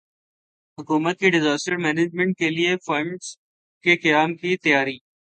حکومت کی disaster management کیلئے فنڈ کے قیام کی تیاری